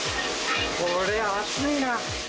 これ、暑いな。